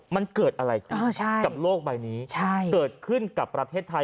มันเกิดอะไรขึ้นกับโลกใบนี้เกิดขึ้นกับประเทศไทย